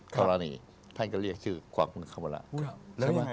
เข้าละนี้ท่านก็เรียกชื่อความขึ้นเข้ามาแล้ว